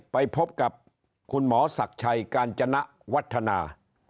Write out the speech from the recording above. ไปพบกับคุณหมอศักดิ์ชัยกาญจนวัฒนา